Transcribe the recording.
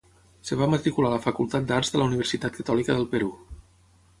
Es va matricular a la Facultat d'Arts de la Universitat Catòlica del Perú.